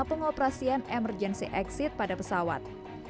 pengoperasian emergency exit pada pesawat